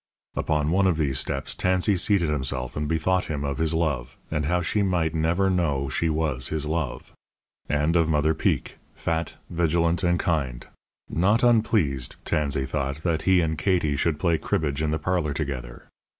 Upon one of these steps Tansey seated himself and bethought him of his love, and how she might never know she was his love. And of Mother Peek, fat, vigilant and kind; not unpleased, Tansey thought, that he and Katie should play cribbage in the parlour together.